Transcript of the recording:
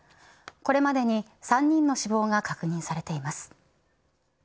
これまでに３人の死亡が確認されています。